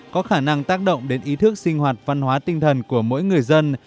có khả năng tác động đến ý thức sinh hoạt văn hóa tinh thần của mỗi người dân